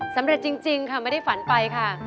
จริงค่ะไม่ได้ฝันไปค่ะ